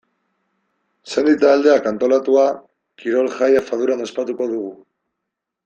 Sendi taldeak antolatua, kirol-jaia Faduran ospatuko dugu.